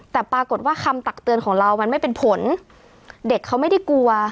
แต่ปรากฏว่าคำตักเตือนของเรามันไม่เป็นผลเด็กเขาไม่ได้กลัว